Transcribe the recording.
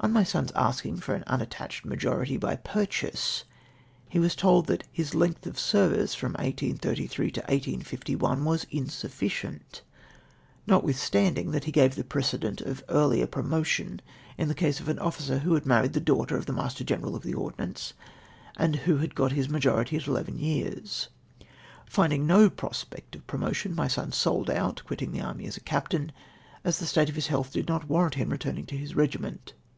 On my son's asking for an unattached majority b// piircJuise, he was told that his length of service, from 1833 to L851, was in sufficient, notwithstanding that he gave the precedent of earlier pro motion in the case of an officer who had married the daughter of the Master General of the Ordnance, and who got his majority in eleven years. Finding no prospect of promotion, my son sold out, quittino the army as a ca^stain, as the state of his health did not warrant him in returning to his regiment.